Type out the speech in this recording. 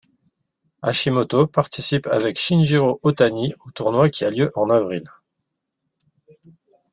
Hashimoto participe avec Shinjiro Otani au tournoi qui a lieu en avril.